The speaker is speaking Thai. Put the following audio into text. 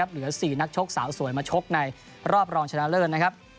เหลือ๔นักชกสาวสวยมาชกในรอบรองชนะเลิศนะครับ